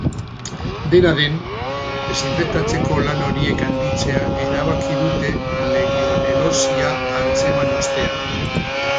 Dena den, desinfektatzeko lan horiek handitzea erabaki dute legionelosia antzeman ostean.